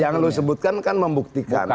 yang lu sebutkan kan membuktikan